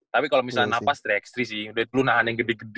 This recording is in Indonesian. tapi kalau misalnya napas tiga x tiga sih udah dulu nahan yang gede gede